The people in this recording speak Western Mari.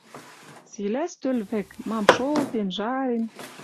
Цилӓ — стӧл вӹк, мам шолтен, жарен